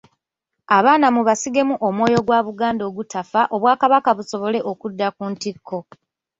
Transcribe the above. Abaana mubasigemu omwoyo gwa Buganda ogutafa Obwakabaka busobole okudda ku ntikko.